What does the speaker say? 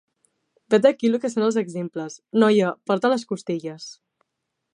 Vet-aquí lo que són els exemples. Noia, porta les costelles!